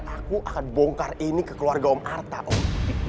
aku akan bongkar ini ke keluarga om arta om